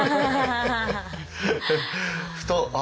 ふとあれ？